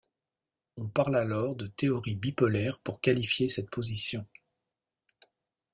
On parle alors de théorie bipolaire pour qualifier cette position.